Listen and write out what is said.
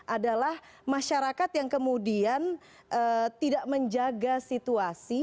adalah masyarakat yang kemudian tidak menjaga situasi